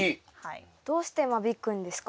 どうして間引くんですか？